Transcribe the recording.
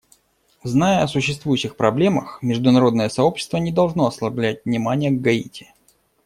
Зная о существующих проблемах, международное сообщество не должно ослаблять внимания к Гаити.